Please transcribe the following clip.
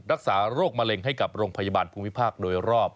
รักษาโรคมะเร็งให้กับโรงพยาบาลภูมิภาคโดยรอบ